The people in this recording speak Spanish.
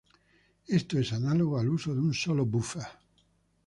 Esto es análogo al uso de un sólo buffer.